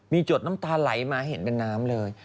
มีจดน้ำตาไหลมาเห็นเป็นน้ำเลย